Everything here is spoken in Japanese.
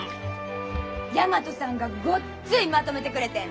大和さんがごっついまとめてくれてん。